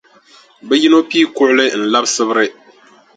Bɛ yino pii kuɣili n-labi Sibiri.